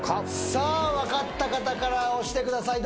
さあ分かった方から押してください